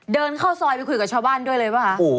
เดินเข้าซอยไปคุยกับชาวบ้านด้วยเลยป่ะคะ